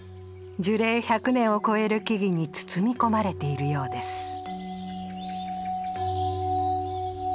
樹齢１００年を超える木々に包み込まれているようです